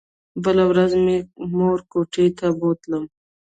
بله ورځ مې مور کوټې ته بوتله.